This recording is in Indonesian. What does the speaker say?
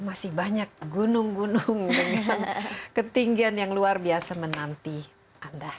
masih banyak gunung gunung dengan ketinggian yang luar biasa menanti anda